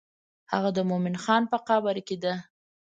هغه د مومن خان په قبر کې ده.